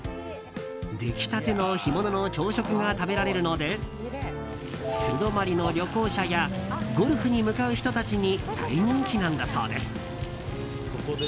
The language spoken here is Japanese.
出来立ての干物の朝食が食べられるので素泊まりの旅行者やゴルフに向かう人たちに大人気なんだそうです。